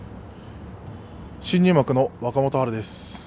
新入幕の若元春です。